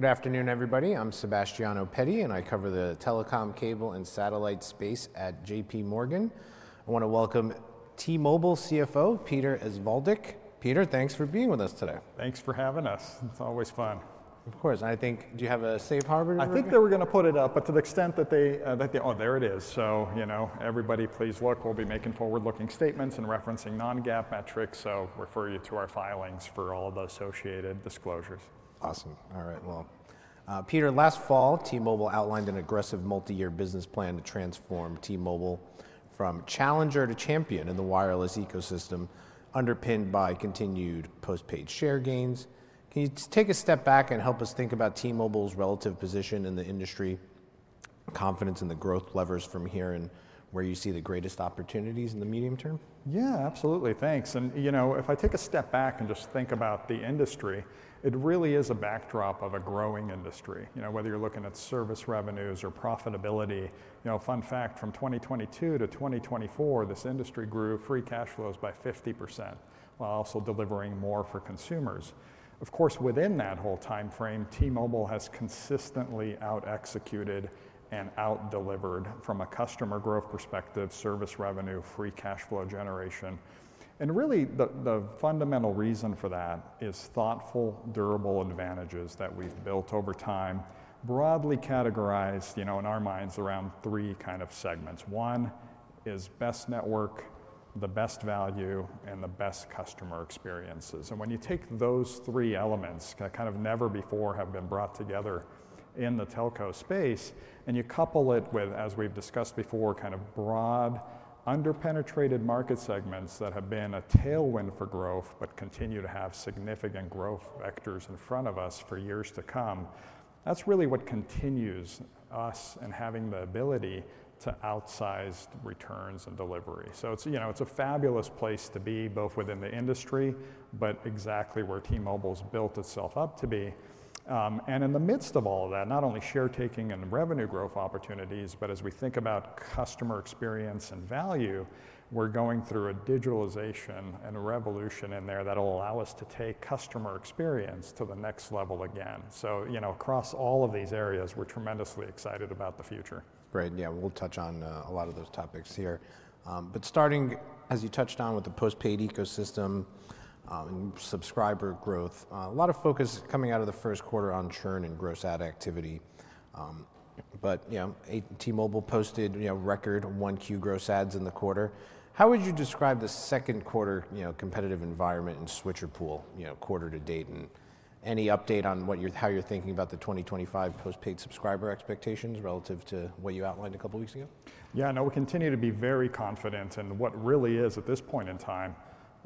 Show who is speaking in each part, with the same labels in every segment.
Speaker 1: Good afternoon, everybody. I'm Sebastiano Petty, and I cover the telecom, cable, and satellite space at JPMorgan. I want to welcome T-Mobile CFO Peter Osvaldik. Peter, thanks for being with us today.
Speaker 2: Thanks for having us. It's always fun.
Speaker 1: Of course. I think, do you have a safe harbor?
Speaker 2: I think they were going to put it up, but to the extent that they—oh, there it is. You know, everybody, please look. We'll be making forward-looking statements and referencing non-GAAP metrics, so refer you to our filings for all the associated disclosures.
Speaker 1: Awesome. All right. Peter, last fall, T-Mobile outlined an aggressive multi-year business plan to transform T-Mobile from challenger to champion in the wireless ecosystem, underpinned by continued postpaid share gains. Can you take a step back and help us think about T-Mobile's relative position in the industry, confidence in the growth levers from here, and where you see the greatest opportunities in the medium term?
Speaker 2: Yeah, absolutely. Thanks. You know, if I take a step back and just think about the industry, it really is a backdrop of a growing industry. You know, whether you're looking at service revenues or profitability, you know, fun fact, from 2022-2024, this industry grew free cash flows by 50% while also delivering more for consumers. Of course, within that whole time frame, T-Mobile has consistently out-executed and out-delivered, from a customer growth perspective, service revenue, free cash flow generation. Really, the fundamental reason for that is thoughtful, durable advantages that we've built over time, broadly categorized, you know, in our minds, around three kind of segments. One is best network, the best value, and the best customer experiences. When you take those three elements that kind of never before have been brought together in the telco space, and you couple it with, as we've discussed before, kind of broad under-penetrated market segments that have been a tailwind for growth but continue to have significant growth vectors in front of us for years to come, that's really what continues us and having the ability to outsize returns and delivery. It's, you know, it's a fabulous place to be, both within the industry but exactly where T-Mobile's built itself up to be. In the midst of all of that, not only share-taking and revenue growth opportunities, but as we think about customer experience and value, we're going through a digitalization and a revolution in there that'll allow us to take customer experience to the next level again. You know, across all of these areas, we're tremendously excited about the future.
Speaker 1: That's great. Yeah, we'll touch on a lot of those topics here. Starting, as you touched on, with the postpaid ecosystem and subscriber growth, a lot of focus coming out of the first quarter on churn and gross ad activity. You know, T-Mobile posted, you know, record 1Q gross ads in the quarter. How would you describe the second quarter, you know, competitive environment in Swisher Pool, you know, quarter to date? Any update on how you're thinking about the 2025 postpaid subscriber expectations relative to what you outlined a couple of weeks ago? Yeah, no, we continue to be very confident in what really is, at this point in time,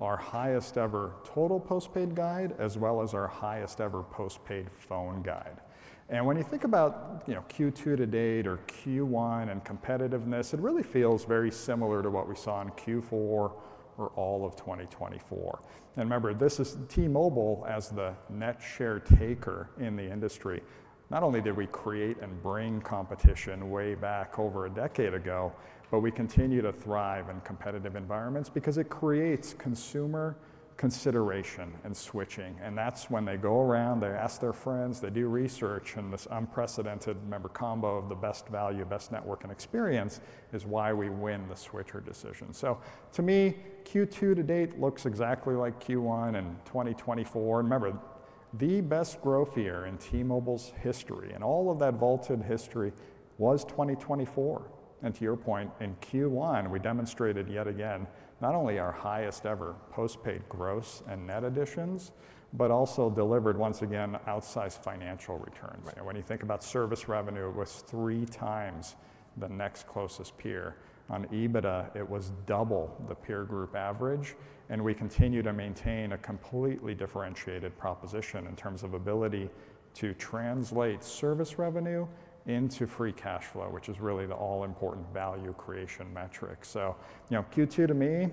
Speaker 1: our highest-ever total postpaid guide, as well as our highest-ever postpaid phone guide. When you think about, you know, Q2 to date or Q1 and competitiveness, it really feels very similar to what we saw in Q4 or all of 2024. Remember, this is T-Mobile as the net share-taker in the industry. Not only did we create and bring competition way back over a decade ago, but we continue to thrive in competitive environments because it creates consumer consideration and switching. That is when they go around, they ask their friends, they do research, and this unprecedented, remember, combo of the best value, best network, and experience is why we win the switcher decision. To me, Q2 to date looks exactly like Q1 and 2024.
Speaker 2: Remember, the best growth year in T-Mobile's history and all of that vaulted history was 2024. To your point, in Q1, we demonstrated yet again not only our highest-ever postpaid gross and net additions, but also delivered, once again, outsized financial returns. When you think about service revenue, it was three times the next closest peer. On EBITDA, it was double the peer group average. We continue to maintain a completely differentiated proposition in terms of ability to translate service revenue into free cash flow, which is really the all-important value creation metric. You know, Q2 to me,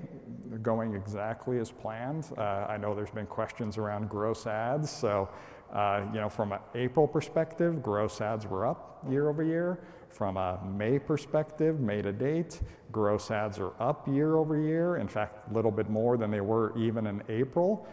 Speaker 2: going exactly as planned. I know there's been questions around gross ads. You know, from an April perspective, gross ads were up year over year. From a May perspective, May to date, gross adds are up year over year, in fact, a little bit more than they were even in April.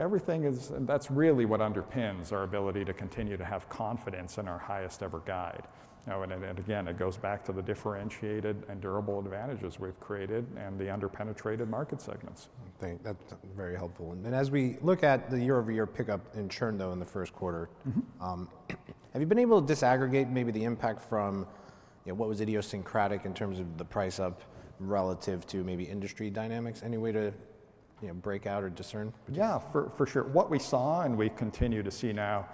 Speaker 2: Everything is, that's really what underpins our ability to continue to have confidence in our highest-ever guide. Again, it goes back to the differentiated and durable advantages we've created and the under-penetrated market segments.
Speaker 1: Thanks. That's very helpful. As we look at the year-over-year pickup in churn, though, in the first quarter, have you been able to disaggregate maybe the impact from, you know, what was idiosyncratic in terms of the price up relative to maybe industry dynamics? Any way to, you know, break out or discern? Yeah, for sure. What we saw and we continue to see now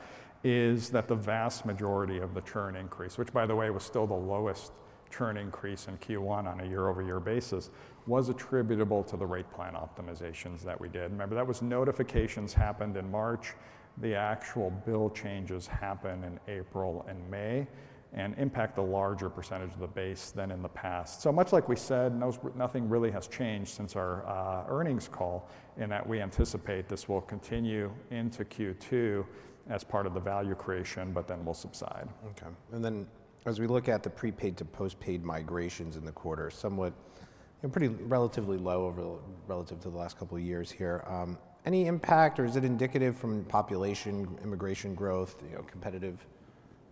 Speaker 1: is that the vast majority of the churn increase, which, by the way, was still the lowest churn increase in Q1 on a year-over-year basis, was attributable to the rate plan optimizations that we did. Remember, that was notifications happened in March. The actual bill changes happened in April and May and impact a larger percentage of the base than in the past. Much like we said, nothing really has changed since our earnings call in that we anticipate this will continue into Q2 as part of the value creation, but then will subside. Okay. As we look at the prepaid to postpaid migrations in the quarter, pretty relatively low relative to the last couple of years here. Any impact, or is it indicative from population immigration growth, you know, competitive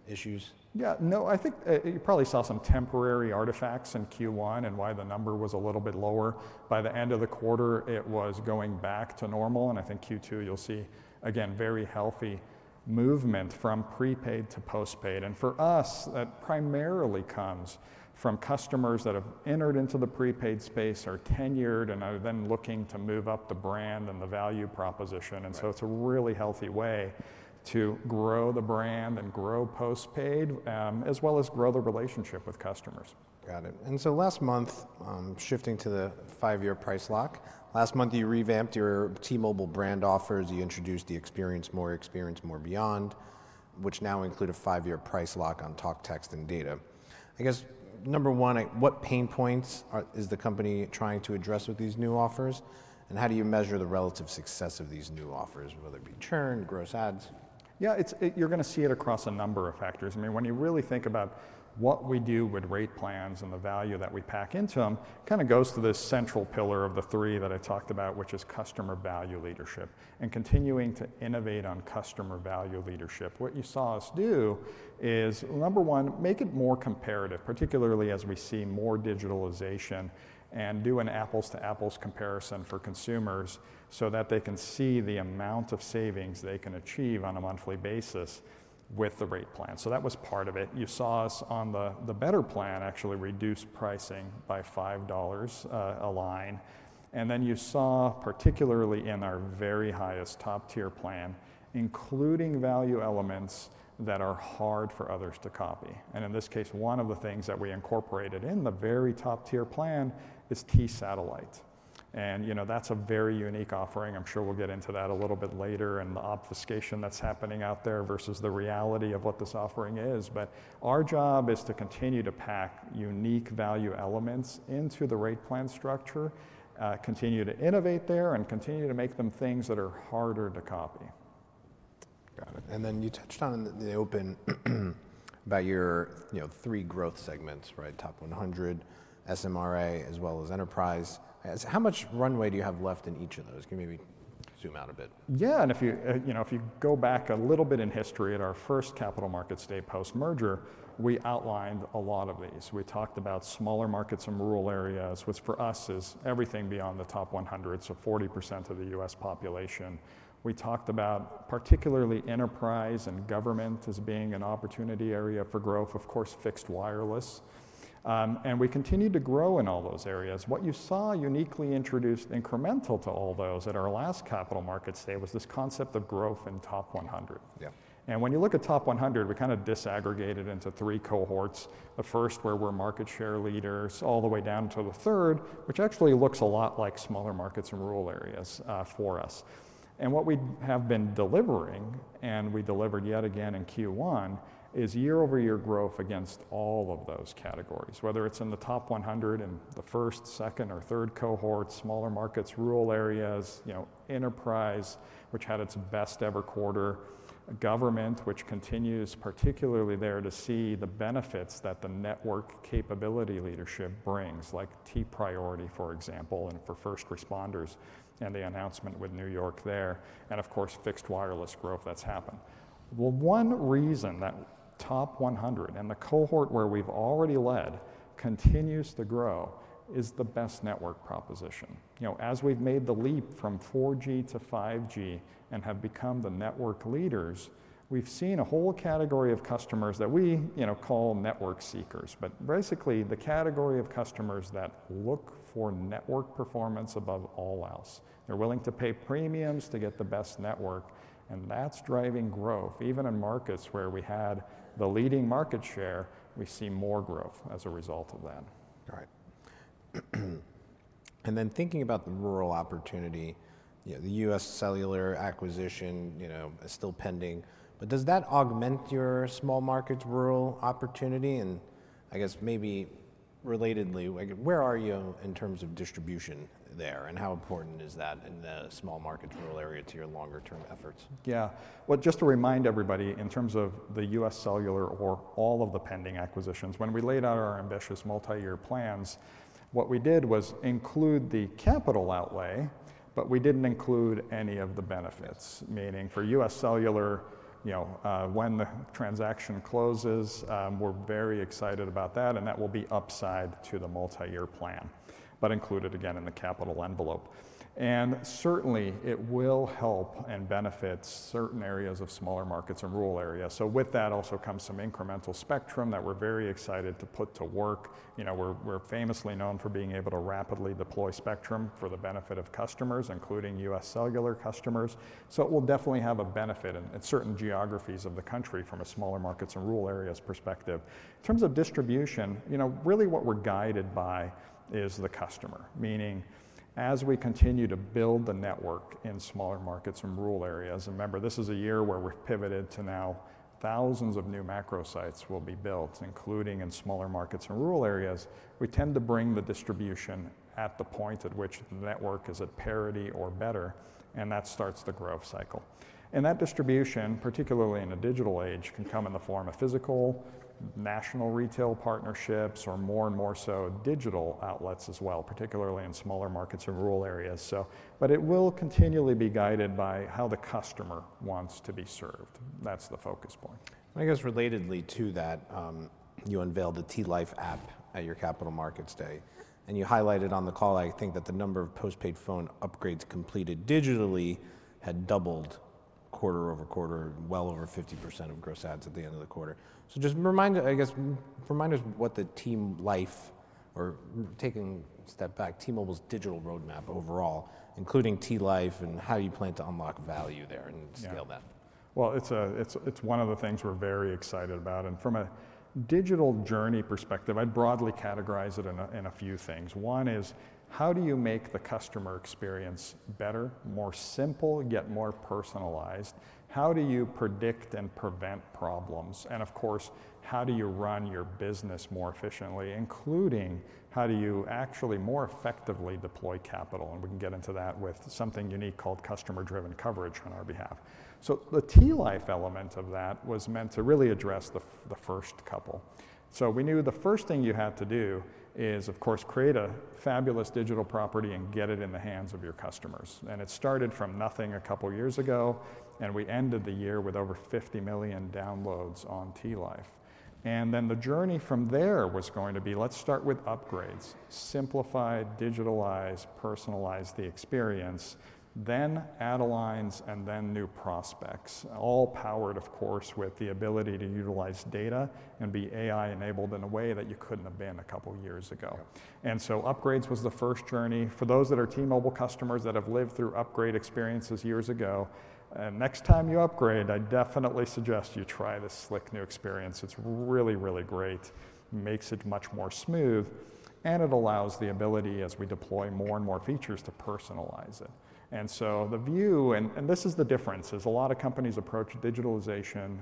Speaker 1: issues?
Speaker 2: Yeah, no, I think you probably saw some temporary artifacts in Q1 and why the number was a little bit lower. By the end of the quarter, it was going back to normal. I think Q2, you'll see, again, very healthy movement from prepaid to postpaid. For us, that primarily comes from customers that have entered into the prepaid space, are tenured, and are then looking to move up the brand and the value proposition. It is a really healthy way to grow the brand and grow postpaid, as well as grow the relationship with customers.
Speaker 1: Got it. Last month, shifting to the five-year price lock, last month you revamped your T-Mobile brand offers. You introduced the Experience More, Experience More Beyond, which now include a five-year price lock on talk, text, and data. I guess, number one, what pain points is the company trying to address with these new offers? How do you measure the relative success of these new offers, whether it be churn, gross adds?
Speaker 2: Yeah, you're going to see it across a number of factors. I mean, when you really think about what we do with rate plans and the value that we pack into them, it kind of goes to this central pillar of the three that I talked about, which is customer value leadership and continuing to innovate on customer value leadership. What you saw us do is, number one, make it more comparative, particularly as we see more digitalization, and do an apples-to-apples comparison for consumers so that they can see the amount of savings they can achieve on a monthly basis with the rate plan. That was part of it. You saw us on the better plan actually reduce pricing by $5 a line. You saw, particularly in our very highest top-tier plan, including value elements that are hard for others to copy. In this case, one of the things that we incorporated in the very top-tier plan is T-Satellite. You know, that's a very unique offering. I'm sure we'll get into that a little bit later and the obfuscation that's happening out there versus the reality of what this offering is. Our job is to continue to pack unique value elements into the rate plan structure, continue to innovate there, and continue to make them things that are harder to copy.
Speaker 1: Got it. You touched on in the open about your, you know, three growth segments, right? Top 100, SMRA, as well as enterprise. How much runway do you have left in each of those? Can you maybe zoom out a bit? Yeah. And if you, you know, if you go back a little bit in history at our first capital markets day post-merger, we outlined a lot of these. We talked about smaller markets in rural areas, which for us is everything beyond the top 100, so 40% of the U.S. population. We talked about particularly enterprise and government as being an opportunity area for growth, of course, fixed wireless. And we continued to grow in all those areas. What you saw uniquely introduced incremental to all those at our last capital markets day was this concept of growth in top 100. Yeah. When you look at top 100, we kind of disaggregated into three cohorts: the first, where we're market share leaders, all the way down to the third, which actually looks a lot like smaller markets in rural areas for us. What we have been delivering, and we delivered yet again in Q1, is year-over-year growth against all of those categories, whether it's in the top 100, in the first, second, or third cohorts, smaller markets, rural areas, you know, enterprise, which had its best-ever quarter, government, which continues particularly there to see the benefits that the network capability leadership brings, like T-Priority, for example, and for first responders and the announcement with New York there, and of course, fixed wireless growth that's happened. One reason that top 100 and the cohort where we've already led continues to grow is the best network proposition. You know, as we've made the leap from 4G-5G and have become the network leaders, we've seen a whole category of customers that we, you know, call network seekers. Basically, the category of customers that look for network performance above all else. They're willing to pay premiums to get the best network, and that's driving growth. Even in markets where we had the leading market share, we see more growth as a result of that. All right. Thinking about the rural opportunity, you know, the U.S. Cellular acquisition, you know, is still pending. Does that augment your small markets rural opportunity? I guess maybe relatedly, where are you in terms of distribution there, and how important is that in the small markets rural area to your longer-term efforts?
Speaker 2: Yeah. Just to remind everybody, in terms of the U.S. Cellular or all of the pending acquisitions, when we laid out our ambitious multi-year plans, what we did was include the capital outlay, but we did not include any of the benefits, meaning for U.S. Cellular, you know, when the transaction closes, we are very excited about that, and that will be upside to the multi-year plan, but included again in the capital envelope. It will help and benefit certain areas of smaller markets and rural areas. With that also comes some incremental spectrum that we are very excited to put to work. We are famously known for being able to rapidly deploy spectrum for the benefit of customers, including U.S. Cellular customers. It will definitely have a benefit in certain geographies of the country from a smaller markets and rural areas perspective. In terms of distribution, you know, really what we're guided by is the customer, meaning as we continue to build the network in smaller markets and rural areas. Remember, this is a year where we've pivoted to now thousands of new macro sites will be built, including in smaller markets and rural areas. We tend to bring the distribution at the point at which the network is at parity or better, and that starts the growth cycle. That distribution, particularly in a digital age, can come in the form of physical, national retail partnerships, or more and more so digital outlets as well, particularly in smaller markets and rural areas. It will continually be guided by how the customer wants to be served. That's the focus point.
Speaker 1: I guess relatedly to that, you unveiled the T-Life app at your capital markets day. You highlighted on the call, I think, that the number of postpaid phone upgrades completed digitally had doubled quarter over quarter, well over 50% of gross adds at the end of the quarter. Just remind us, I guess, remind us what the T-Mobile Life, or taking a step back, T-Mobile's digital roadmap overall, including T-Life and how you plan to unlock value there and scale that. Yeah. It is one of the things we're very excited about. From a digital journey perspective, I'd broadly categorize it in a few things. One is, how do you make the customer experience better, more simple, yet more personalized? How do you predict and prevent problems? Of course, how do you run your business more efficiently, including how do you actually more effectively deploy capital? We can get into that with something unique called customer-driven coverage on our behalf. The T-Life element of that was meant to really address the first couple. We knew the first thing you had to do is, of course, create a fabulous digital property and get it in the hands of your customers. It started from nothing a couple of years ago, and we ended the year with over 50 million downloads on T-Life. The journey from there was going to be, let's start with upgrades, simplify, digitalize, personalize the experience, then add aligns, and then new prospects, all powered, of course, with the ability to utilize data and be AI-enabled in a way that you couldn't have been a couple of years ago. Upgrades was the first journey. For those that are T-Mobile customers that have lived through upgrade experiences years ago, next time you upgrade, I definitely suggest you try this slick new experience. It's really, really great. Makes it much more smooth, and it allows the ability, as we deploy more and more features, to personalize it. The view, and this is the difference, is a lot of companies approach digitalization,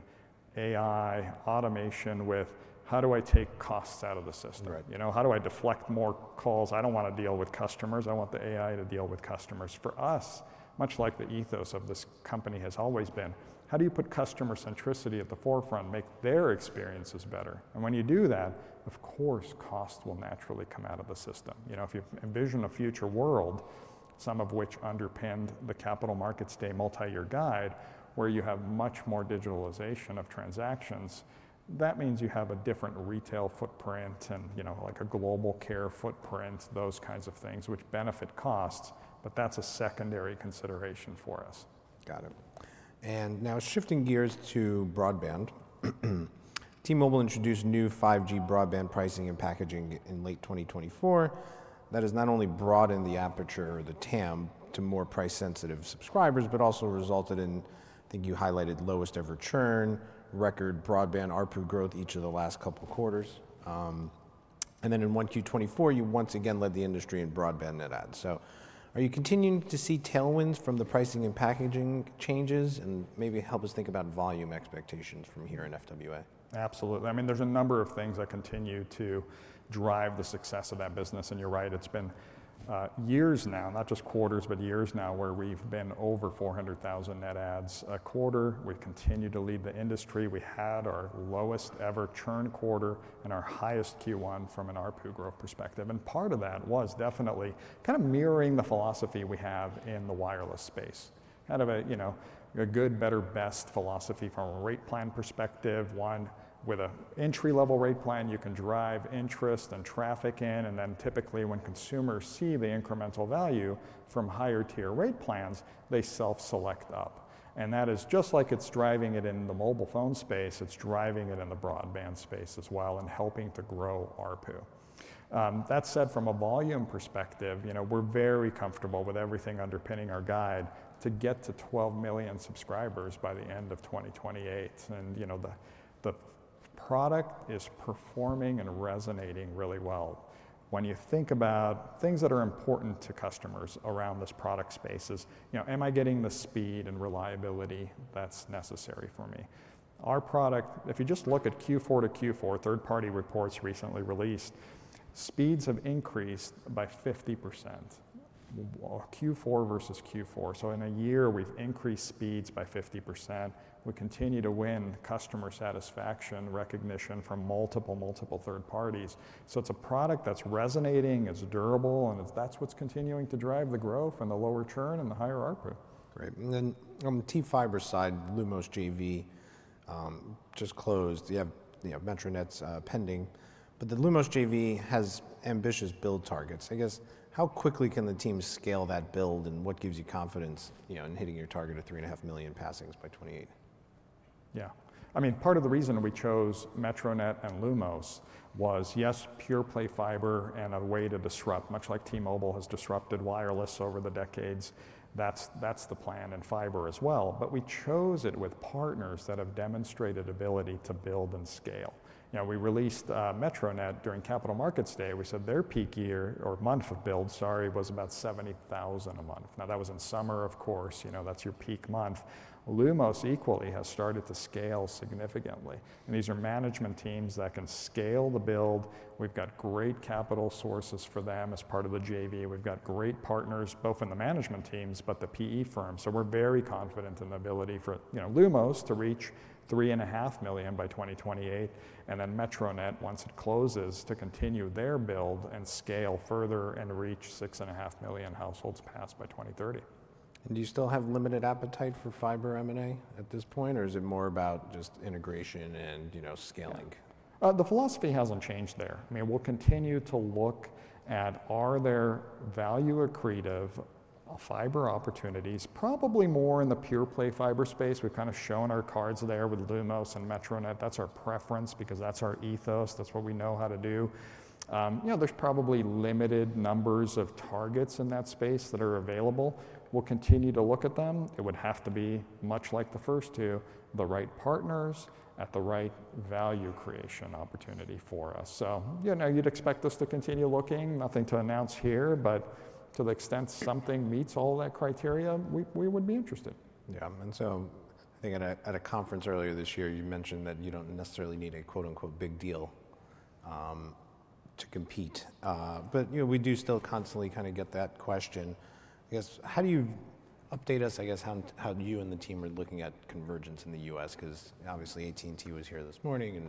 Speaker 1: AI, automation with, how do I take costs out of the system? You know, how do I deflect more calls?
Speaker 2: I don't want to deal with customers. I want the AI to deal with customers. For us, much like the ethos of this company has always been, how do you put customer centricity at the forefront, make their experiences better? When you do that, of course, costs will naturally come out of the system. You know, if you envision a future world, some of which underpinned the capital markets day multi-year guide, where you have much more digitalization of transactions, that means you have a different retail footprint and, you know, like a global care footprint, those kinds of things, which benefit costs, but that's a secondary consideration for us.
Speaker 1: Got it. Now shifting gears to broadband, T-Mobile introduced new 5G broadband pricing and packaging in late 2024. That has not only broadened the aperture, the TAM, to more price-sensitive subscribers, but also resulted in, I think you highlighted, lowest-ever churn, record broadband RPU growth each of the last couple of quarters. In one Q24, you once again led the industry in broadband net adds. Are you continuing to see tailwinds from the pricing and packaging changes and maybe help us think about volume expectations from here in FWA?
Speaker 2: Absolutely. I mean, there's a number of things that continue to drive the success of that business. You're right, it's been years now, not just quarters, but years now where we've been over 400,000 net adds a quarter. We've continued to lead the industry. We had our lowest-ever churn quarter and our highest Q1 from an RPU growth perspective. Part of that was definitely kind of mirroring the philosophy we have in the wireless space, kind of a, you know, a good, better, best philosophy from a rate plan perspective. One, with an entry-level rate plan, you can drive interest and traffic in. Then typically when consumers see the incremental value from higher-tier rate plans, they self-select up. That is just like it's driving it in the mobile phone space, it's driving it in the broadband space as well and helping to grow RPU. That said, from a volume perspective, you know, we're very comfortable with everything underpinning our guide to get to 12 million subscribers by the end of 2028. You know, the product is performing and resonating really well. When you think about things that are important to customers around this product space is, you know, am I getting the speed and reliability that's necessary for me? Our product, if you just look at Q4 to Q4, third-party reports recently released, speeds have increased by 50%. Q4 versus Q4. In a year, we've increased speeds by 50%. We continue to win customer satisfaction recognition from multiple, multiple third parties. It's a product that's resonating, it's durable, and that's what's continuing to drive the growth and the lower churn and the higher RPU.
Speaker 1: Great. On the T-Fiber side, Lumos JV just closed. You have, you know, Metronet's pending, but the Lumos JV has ambitious build targets. I guess how quickly can the team scale that build and what gives you confidence, you know, in hitting your target of three and a half million passings by 2028? Yeah. I mean, part of the reason we chose Metronet and Lumos was, yes, pure play fiber and a way to disrupt, much like T-Mobile has disrupted wireless over the decades. That's the plan in fiber as well. We chose it with partners that have demonstrated ability to build and scale. You know, we released Metronet during capital markets day. We said their peak year or month of build, sorry, was about 70,000 a month. That was in summer, of course. You know, that's your peak month. Lumos equally has started to scale significantly. These are management teams that can scale the build. We've got great capital sources for them as part of the JV. We've got great partners, both in the management teams but the PE firms.
Speaker 2: We're very confident in the ability for, you know, Lumos to reach 3.5 million by 2028. And then Metronet, once it closes, to continue their build and scale further and reach 6.5 million households passed by 2030.
Speaker 1: Do you still have limited appetite for fiber M&A at this point, or is it more about just integration and, you know, scaling?
Speaker 2: The philosophy has not changed there. I mean, we will continue to look at, are there value accretive fiber opportunities, probably more in the pure play fiber space. We have kind of shown our cards there with Lumos and Metronet. That is our preference because that is our ethos. That is what we know how to do. You know, there is probably limited numbers of targets in that space that are available. We will continue to look at them. It would have to be much like the first two, the right partners at the right value creation opportunity for us. You know, you would expect us to continue looking. Nothing to announce here, but to the extent something meets all that criteria, we would be interested.
Speaker 1: Yeah. I think at a conference earlier this year, you mentioned that you don't necessarily need a quote unquote big deal to compete. You know, we do still constantly kind of get that question. I guess how do you update us? I guess how you and the team are looking at convergence in the U.S.? Obviously AT&T was here this morning and,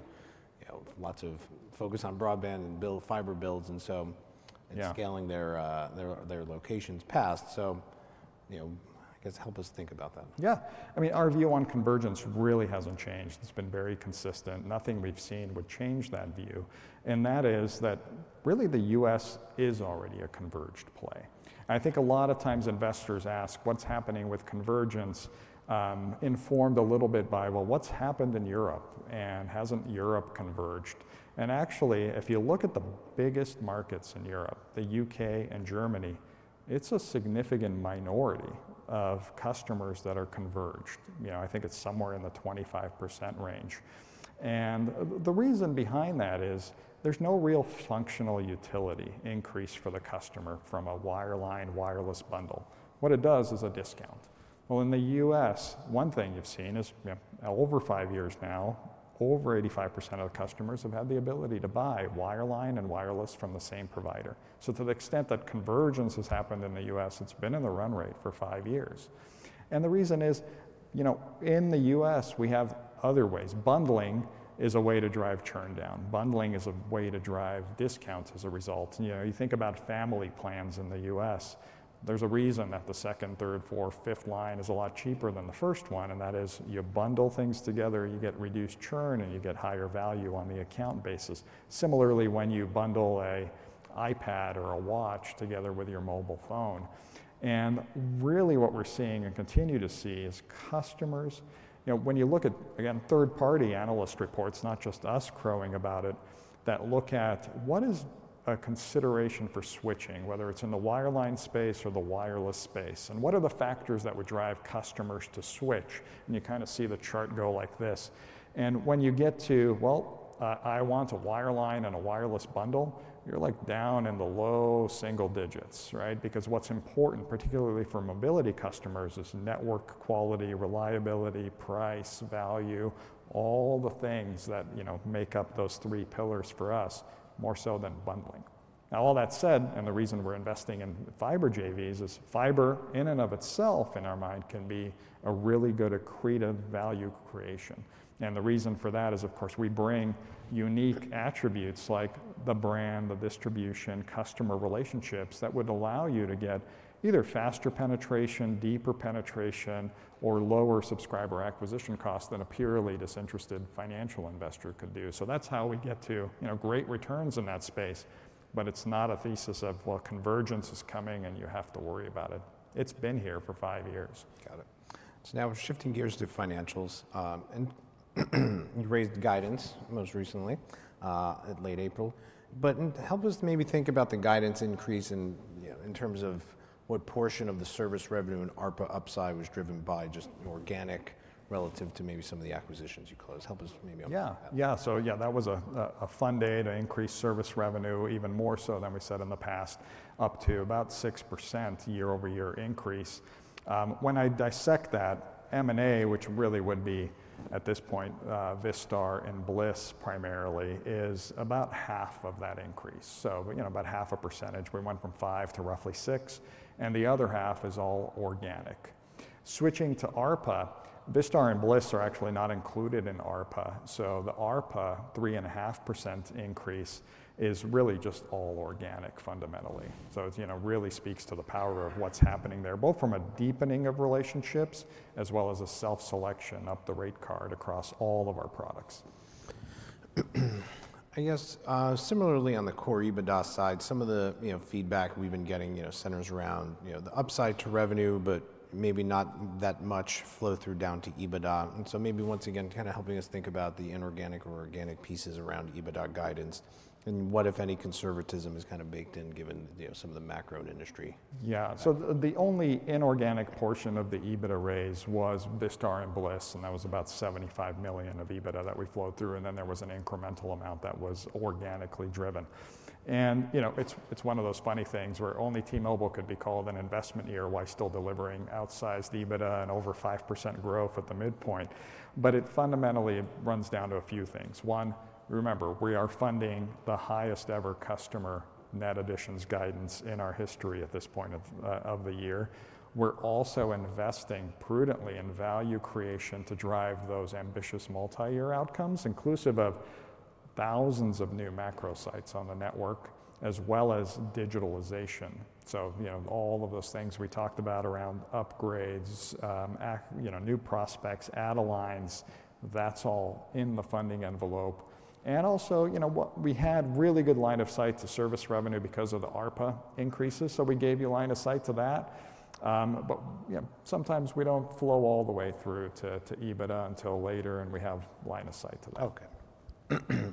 Speaker 1: you know, lots of focus on broadband and fiber builds, and scaling their locations past. You know, I guess help us think about that.
Speaker 2: Yeah. I mean, our view on convergence really hasn't changed. It's been very consistent. Nothing we've seen would change that view. That is that really the U.S. is already a converged play. I think a lot of times investors ask what's happening with convergence, informed a little bit by, you know, what's happened in Europe and hasn't Europe converged? Actually, if you look at the biggest markets in Europe, the U.K. and Germany, it's a significant minority of customers that are converged. You know, I think it's somewhere in the 25% range. The reason behind that is there's no real functional utility increase for the customer from a wireline, wireless bundle. What it does is a discount. In the U.S., one thing you've seen is over five years now, over 85% of the customers have had the ability to buy wireline and wireless from the same provider. To the extent that convergence has happened in the U.S., it's been in the run rate for five years. The reason is, you know, in the U.S., we have other ways. Bundling is a way to drive churn down. Bundling is a way to drive discounts as a result. You know, you think about family plans in the U.S. There's a reason that the second, third, fourth, fifth line is a lot cheaper than the first one. That is, you bundle things together, you get reduced churn and you get higher value on the account basis. Similarly, when you bundle an iPad or a watch together with your mobile phone. Really what we're seeing and continue to see is customers, you know, when you look at, again, third-party analyst reports, not just us crowing about it, that look at what is a consideration for switching, whether it's in the wireline space or the wireless space, and what are the factors that would drive customers to switch? You kind of see the chart go like this. When you get to, well, I want a wireline and a wireless bundle, you're like down in the low single digits, right? Because what's important, particularly for mobility customers, is network quality, reliability, price, value, all the things that, you know, make up those three pillars for us more so than bundling. All that said, and the reason we're investing in fiber JVs is fiber in and of itself, in our mind, can be a really good accretive value creation. The reason for that is, of course, we bring unique attributes like the brand, the distribution, customer relationships that would allow you to get either faster penetration, deeper penetration, or lower subscriber acquisition costs than a purely disinterested financial investor could do. That is how we get to, you know, great returns in that space. It is not a thesis of, well, convergence is coming and you have to worry about it. It has been here for five years.
Speaker 1: Got it. Now shifting gears to financials. You raised guidance most recently in late April. Help us maybe think about the guidance increase in terms of what portion of the service revenue and ARPA upside was driven by just organic relative to maybe some of the acquisitions you closed. Help us maybe help us.
Speaker 2: Yeah. Yeah. So yeah, that was a fun day to increase service revenue, even more so than we said in the past, up to about 6% year over year increase. When I dissect that, M&A, which really would be at this point, Vistar and Bliss primarily, is about half of that increase. So, you know, about half a percentage. We went from five to roughly six. The other half is all organic. Switching to ARPA, Vistar and Bliss are actually not included in ARPA. The ARPA 3.5% increase is really just all organic fundamentally. So it, you know, really speaks to the power of what's happening there, both from a deepening of relationships as well as a self-selection up the rate card across all of our products.
Speaker 1: I guess similarly on the core EBITDA side, some of the, you know, feedback we've been getting, you know, centers around, you know, the upside to revenue, but maybe not that much flow through down to EBITDA. Maybe once again, kind of helping us think about the inorganic or organic pieces around EBITDA guidance and what, if any, conservatism is kind of baked in given, you know, some of the macro industry. Yeah. The only inorganic portion of the EBITDA raise was Vistar and Bliss, and that was about $75 million of EBITDA that we flowed through. Then there was an incremental amount that was organically driven. You know, it's one of those funny things where only T-Mobile could be called an investment year while still delivering outsized EBITDA and over 5% growth at the midpoint. It fundamentally runs down to a few things. One, remember, we are funding the highest ever customer net additions guidance in our history at this point of the year. We're also investing prudently in value creation to drive those ambitious multi-year outcomes, inclusive of thousands of new macro sites on the network, as well as digitalization. You know, all of those things we talked about around upgrades, new prospects, add-on lines, that's all in the funding envelope.
Speaker 2: You know, we had really good line of sight to service revenue because of the ARPA increases. We gave you line of sight to that. You know, sometimes we do not flow all the way through to EBITDA until later, and we have line of sight to that.
Speaker 1: Okay.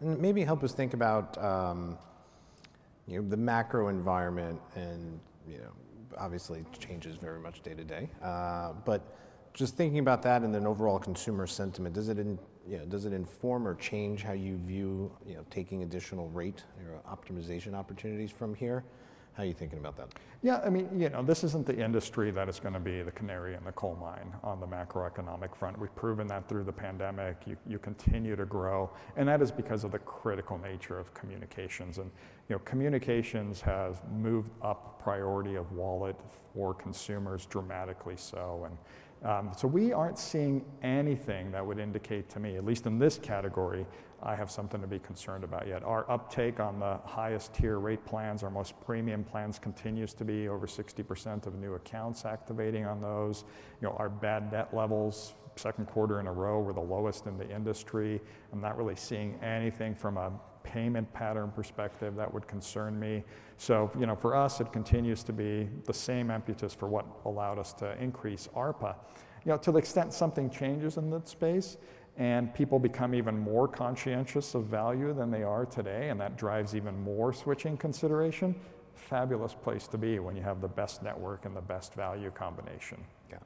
Speaker 1: Maybe help us think about, you know, the macro environment and, you know, obviously changes very much day to day. Just thinking about that and then overall consumer sentiment, does it inform or change how you view, you know, taking additional rate or optimization opportunities from here? How are you thinking about that?
Speaker 2: Yeah. I mean, you know, this isn't the industry that is going to be the canary in the coal mine on the macroeconomic front. We've proven that through the pandemic. You continue to grow. That is because of the critical nature of communications. You know, communications has moved up priority of wallet for consumers dramatically so. We aren't seeing anything that would indicate to me, at least in this category, I have something to be concerned about yet. Our uptake on the highest tier rate plans, our most premium plans, continues to be over 60% of new accounts activating on those. You know, our bad debt levels, second quarter in a row, were the lowest in the industry. I'm not really seeing anything from a payment pattern perspective that would concern me. You know, for us, it continues to be the same impetus for what allowed us to increase ARPA. You know, to the extent something changes in that space and people become even more conscientious of value than they are today, and that drives even more switching consideration, fabulous place to be when you have the best network and the best value combination.
Speaker 1: Got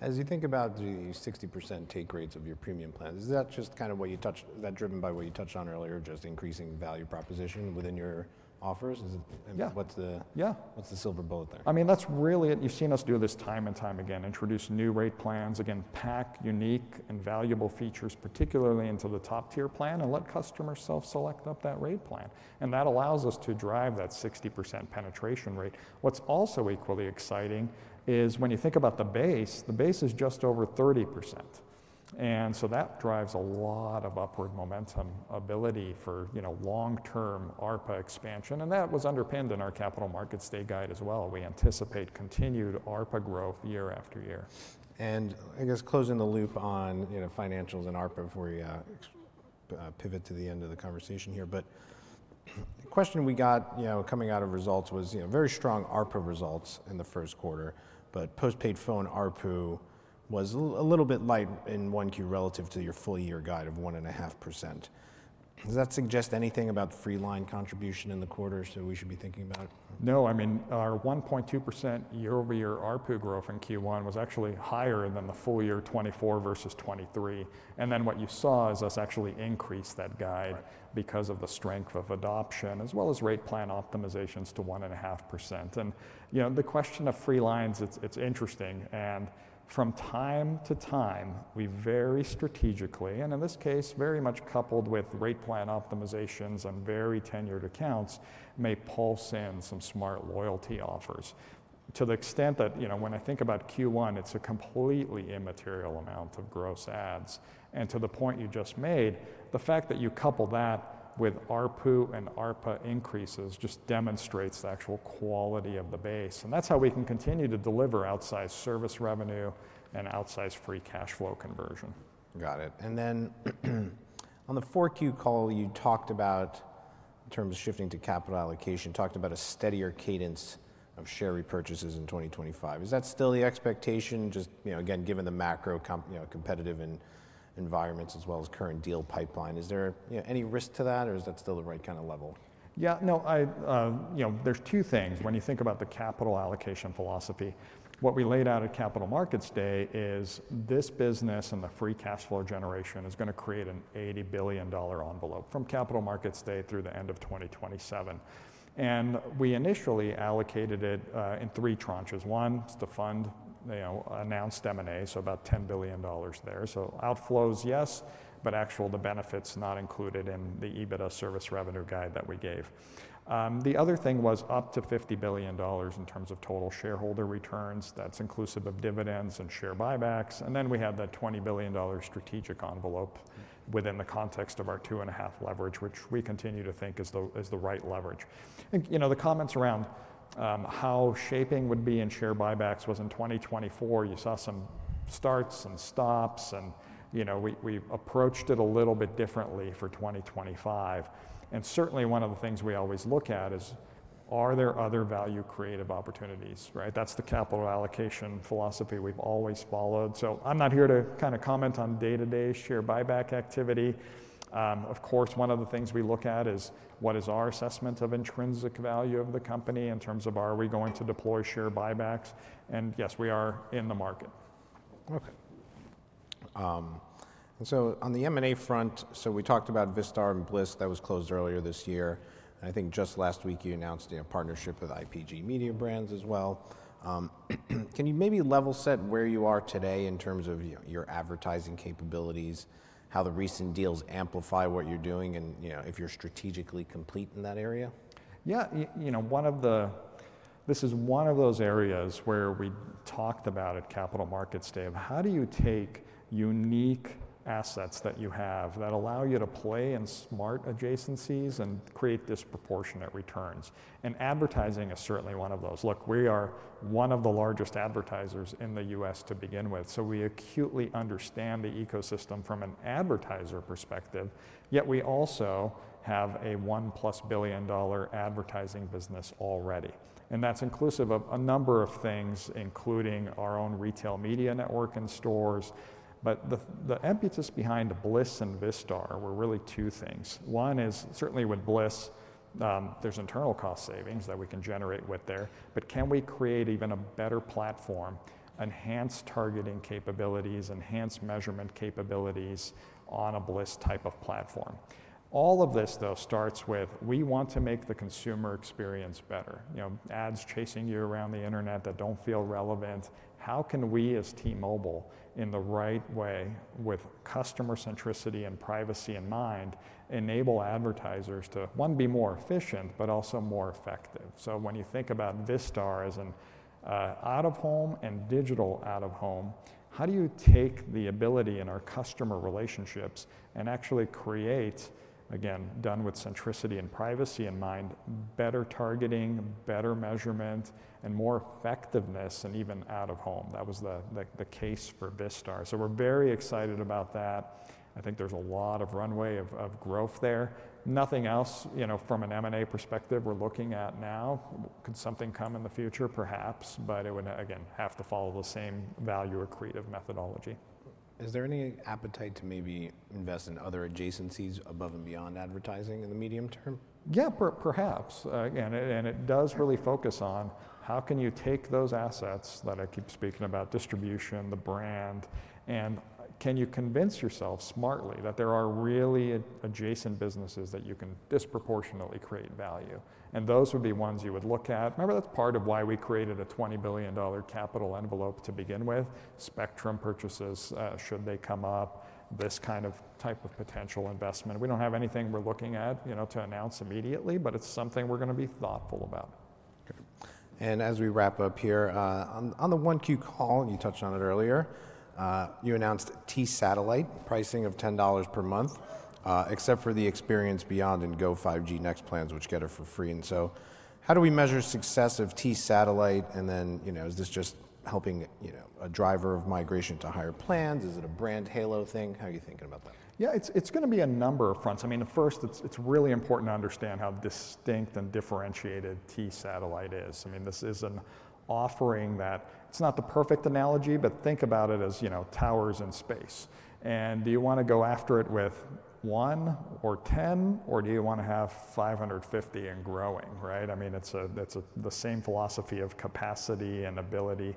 Speaker 1: it. As you think about the 60% take rates of your premium plans, is that just kind of what you touched, that driven by what you touched on earlier, just increasing value proposition within your offers? What's the silver bullet there?
Speaker 2: Yeah. I mean, that's really it. You've seen us do this time and time again, introduce new rate plans, again, pack unique and valuable features, particularly into the top tier plan and let customers self-select up that rate plan. That allows us to drive that 60% penetration rate. What's also equally exciting is when you think about the base, the base is just over 30%. That drives a lot of upward momentum ability for, you know, long-term ARPA expansion. That was underpinned in our capital markets day guide as well. We anticipate continued ARPA growth year after year.
Speaker 1: I guess closing the loop on, you know, financials and ARPA before we pivot to the end of the conversation here. The question we got, you know, coming out of results was, you know, very strong ARPA results in the first quarter, but postpaid phone ARPU was a little bit light in Q1 relative to your full year guide of 1.5%. Does that suggest anything about the freeline contribution in the quarter? We should be thinking about it?
Speaker 2: No. I mean, our 1.2% year over year ARPU growth in Q1 was actually higher than the full year 2024 versus 2023. You saw us actually increase that guide because of the strength of adoption as well as rate plan optimizations to 1.5%. You know, the question of freelines, it's interesting. From time to time, we very strategically, and in this case, very much coupled with rate plan optimizations and very tenured accounts, may pulse in some smart loyalty offers. To the extent that, you know, when I think about Q1, it's a completely immaterial amount of gross adds. To the point you just made, the fact that you couple that with ARPU and ARPA increases just demonstrates the actual quality of the base.
Speaker 1: That is how we can continue to deliver outsized service revenue and outsized free cash flow conversion. Got it. On the four Q call, you talked about, in terms of shifting to capital allocation, a steadier cadence of share repurchases in 2025. Is that still the expectation? Just, you know, again, given the macro competitive environments as well as current deal pipeline, is there any risk to that or is that still the right kind of level? Yeah. No, you know, there's two things. When you think about the capital allocation philosophy, what we laid out at Capital Markets Day is this business and the free cash flow generation is going to create an $80 billion envelope from Capital Markets Day through the end of 2027. We initially allocated it in three tranches. One is to fund, you know, announced M&A, so about $10 billion there. Outflows, yes, but actual the benefits not included in the EBITDA service revenue guide that we gave. The other thing was up to $50 billion in terms of total shareholder returns. That's inclusive of dividends and share buybacks. We had that $20 billion strategic envelope within the context of our two and a half leverage, which we continue to think is the right leverage.
Speaker 2: You know, the comments around how shaping would be in share buybacks was in 2024. You saw some starts and stops, and you know, we approached it a little bit differently for 2025. Certainly one of the things we always look at is, are there other value creative opportunities, right? That's the capital allocation philosophy we've always followed. I'm not here to kind of comment on day-to-day share buyback activity. Of course, one of the things we look at is what is our assessment of intrinsic value of the company in terms of are we going to deploy share buybacks? Yes, we are in the market.
Speaker 1: Okay. On the M&A front, we talked about Vistar and Bliss that was closed earlier this year. I think just last week you announced a partnership with IPG Media Brands as well. Can you maybe level set where you are today in terms of your advertising capabilities, how the recent deals amplify what you're doing and, you know, if you're strategically complete in that area?
Speaker 2: Yeah. You know, one of the, this is one of those areas where we talked about at Capital Markets Day of how do you take unique assets that you have that allow you to play in smart adjacencies and create disproportionate returns. Advertising is certainly one of those. Look, we are one of the largest advertisers in the U.S. to begin with. We acutely understand the ecosystem from an advertiser perspective, yet we also have a $1 billion-plus advertising business already. That is inclusive of a number of things, including our own retail media network and stores. The impetus behind Bliss and Vistar were really two things. One is certainly with Bliss, there are internal cost savings that we can generate there, but can we create even a better platform, enhanced targeting capabilities, enhanced measurement capabilities on a Bliss type of platform? All of this though starts with we want to make the consumer experience better. You know, ads chasing you around the internet that don't feel relevant. How can we as T-Mobile in the right way, with customer centricity and privacy in mind, enable advertisers to, one, be more efficient, but also more effective? When you think about Vistar as an out of home and digital out of home, how do you take the ability in our customer relationships and actually create, again, done with centricity and privacy in mind, better targeting, better measurement, and more effectiveness and even out of home? That was the case for Vistar. We're very excited about that. I think there's a lot of runway of growth there. Nothing else, you know, from an M&A perspective we're looking at now. Could something come in the future? Perhaps. It would, again, have to follow the same value or creative methodology.
Speaker 1: Is there any appetite to maybe invest in other adjacencies above and beyond advertising in the medium term?
Speaker 2: Yeah, perhaps. Again, it does really focus on how can you take those assets that I keep speaking about, distribution, the brand, and can you convince yourself smartly that there are really adjacent businesses that you can disproportionately create value? Those would be ones you would look at. Remember, that's part of why we created a $20 billion capital envelope to begin with, spectrum purchases should they come up, this kind of type of potential investment. We do not have anything we are looking at, you know, to announce immediately, but it is something we are going to be thoughtful about.
Speaker 1: Okay. As we wrap up here, on the one Q call, you touched on it earlier, you announced T-Satellite, pricing of $10 per month, except for the Experience More Beyond and Go 5G Next plans, which get it for free. How do we measure success of T-Satellite? You know, is this just helping, you know, a driver of migration to higher plans? Is it a brand halo thing? How are you thinking about that?
Speaker 2: Yeah, it's going to be a number of fronts. I mean, first, it's really important to understand how distinct and differentiated T-Satellite is. I mean, this is an offering that, it's not the perfect analogy, but think about it as, you know, towers in space. And do you want to go after it with one or 10, or do you want to have 550 and growing, right? I mean, it's the same philosophy of capacity and ability.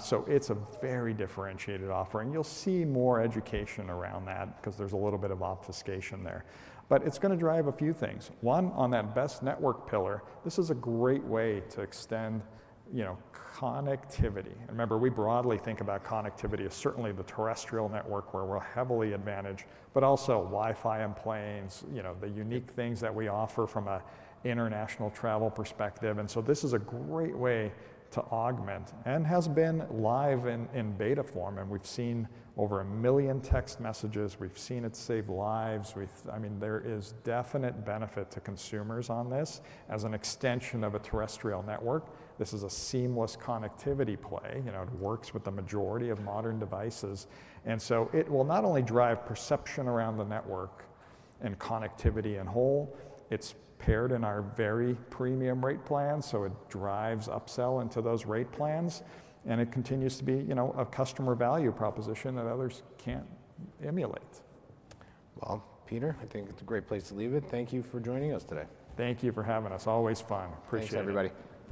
Speaker 2: So it's a very differentiated offering. You'll see more education around that because there's a little bit of obfuscation there. It's going to drive a few things. One, on that best network pillar, this is a great way to extend, you know, connectivity. Remember, we broadly think about connectivity as certainly the terrestrial network where we're heavily advantaged, but also Wi-Fi and planes, you know, the unique things that we offer from an international travel perspective. This is a great way to augment and has been live in beta form. We've seen over a million text messages. We've seen it save lives. I mean, there is definite benefit to consumers on this as an extension of a terrestrial network. This is a seamless connectivity play. You know, it works with the majority of modern devices. It will not only drive perception around the network and connectivity in whole, it's paired in our very premium rate plans. It drives upsell into those rate plans. It continues to be, you know, a customer value proposition that others can't emulate.
Speaker 1: Peter, I think it's a great place to leave it. Thank you for joining us today. Thank you for having us. Always fun. Appreciate it, everybody.